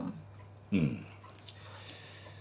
うん。